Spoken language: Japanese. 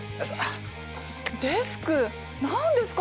デスク何ですか？